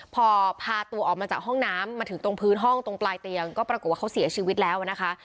พอพาตัวออกมาจากห้องน้ำมาถึงตรงพื้นห้องตรงปลายเตียงก็ปรากฏว่าเขาเสียชีวิตแล้วนะคะ